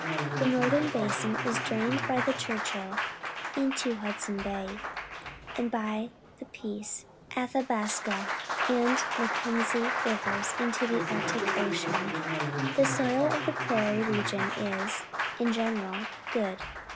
Tlie nort licin I lasin is drained by the ChuniiiU into Hudson 15ay, and by the Peace, Ail uilxisl:,!, and MuckmsLS. Rivers into the Arct ic Ucian. The soil of the prairie region is, in general, good.